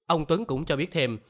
ông tuấn cũng cho biết thêm